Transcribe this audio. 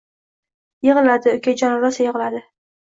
Yig’ladi, ukajon… Rosa yig’ladi